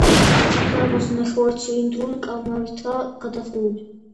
დარბაზი ნახევარცილინდრული კამარითაა გადახურული.